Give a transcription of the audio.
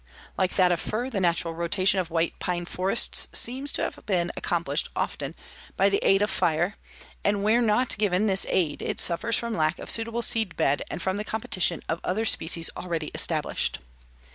Like that of fir, the natural rotation of white pine forests seems to have been accomplished often by the aid of fire, and where not given this aid it suffers from lack of suitable seed bed and from the competition of other species already established.